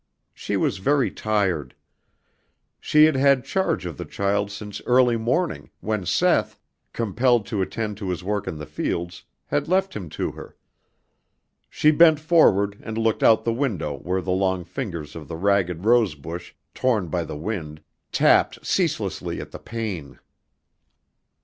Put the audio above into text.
She was very tired. She had had charge of the child since early morning, when Seth, compelled to attend to his work in the fields, had left him to her. She bent forward and looked out the window where the long fingers of the ragged rosebush, torn by the wind, tapped ceaselessly at the pane.